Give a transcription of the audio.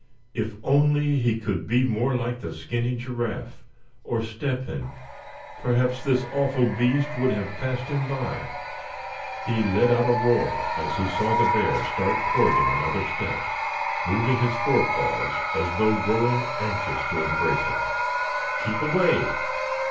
If only he could be more like the skinny Giraffe, or Step hen, perhaps this awful beast would have passed him by. He let out a roar as he saw the bear start toward him another step, moving his forepaws as though growing anxious to embrace him. "Keep away!